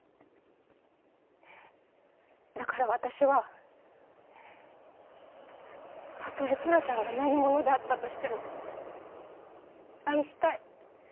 だから私はたとえトラちゃんが何者であったとしても愛したい。